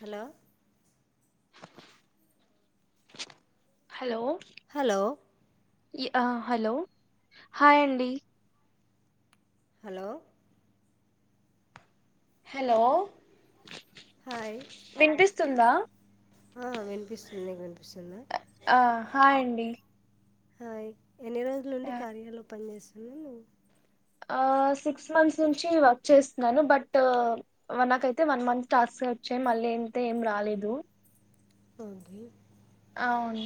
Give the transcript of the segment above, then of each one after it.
Hello ఆ hello hello hello hi అండి hello hello hi స్తుందా ఆ వినిపిస్తుంది వినిపిస్తుందా ఆ హాయ్ అండి హాయ్ ఎన్ని రోజుల నుండి కార్యాలో పని చేేస్తున్నావు నువ్వు సిక్స్ మంత్స్ నుంచి వర్క్ చేస్తున్నాను బట్ మరి నాకు అయితే వన్ మంత్ టాస్క్ వచ్చి మళ్ళీంత ఏం రాలేదు ఓకే అవును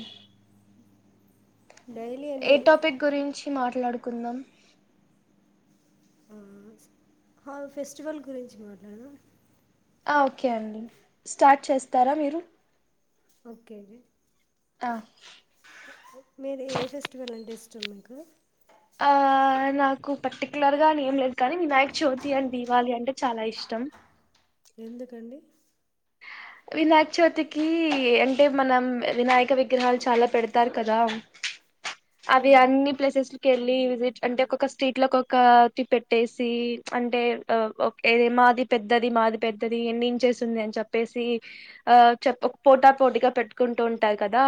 డైలీ ఏ ఎన్ని టాపిక్ గురించి మాట్లాడుకుందాం ఆ ఫెస్టివల్ గురించి మాట్లాడుదాం ఆ ఓకే అండి స్టార్ట్ చేస్తారా మీరు ఓకే అండి ఆ మీది ఏ ఫెస్టివల్ అంటే ఇష్టం మీకు ఆ నాకు పర్టికులర్గా ఏం లేదు కానీ వినాయక చవితి అండ్ దీవాళి అంటే చాలా ఇష్ టం ఎందుకండి వినాయక చవితికి అంటే మనం వినాయక విగ్రహాలు చాలా పెడతారు కదా అ అవి అన్ని ప్లేసెస్ లో కెళ్ళి విజి అంటే ఒక్కొక్క స్ట్రీట్ లో ఒక్కొక్క టి పెట్టేసి అంటే ఆ ఏమా మాది పెద్దది మాది పెద్దది ఎన్ని ఇంచేసుంది అని చెప్పేసి ఆ చెప్ పోటా పోటీగా పె ట్టుకుంటు ఉంటారూ కదా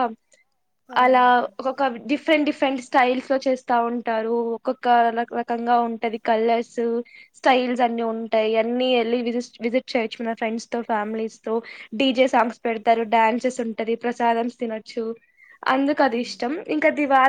అలా అవునండి ఒక డిఫ్ రెంట్ స్టైల్స్ లో చేస్తా ఉంటారు ఒక్కొక్క రక రకంగా ఉంటది కలర్స్ స్టైల్స్ అన్ని ఉంటాయి అన్ని ఎల్లి విసిస్ విజిట్ చేయచ్చు ఫ్రెండ్స్ తో ఫ్యామిలీస్ తో డీజే సాంగ్ పెడతారు డాన్సెస్ ఉంటది. ప్రసాదం తినొచ్చు అందుకు అది ఉమ్. ఇష్టం ఇంకా దివాళి